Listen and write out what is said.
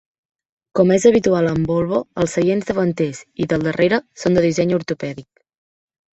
Com és habitual amb Volvo, els seients davanters i del darrere són de disseny ortopèdic.